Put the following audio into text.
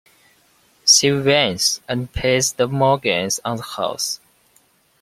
She wins and pays the mortgage on the house.